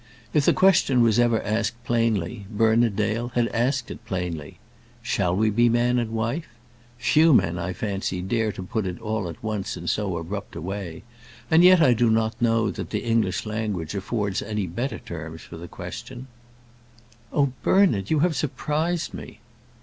If the question was ever asked plainly, Bernard Dale had asked it plainly. Shall we be man and wife? Few men, I fancy, dare to put it all at once in so abrupt a way, and yet I do not know that the English language affords any better terms for the question. "Oh, Bernard! you have surprised me."